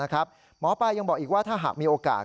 หมอปลายังบอกอีกว่าถ้าหากมีโอกาส